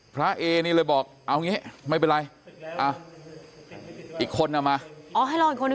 พระเอญี่เลยบอกเอาอย่างงี้ไม่เป็นไร